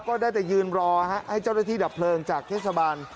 ก็ได้แต่ยืนรอให้เจ้าหน้าที่ดับเพลิงจากเทศบาล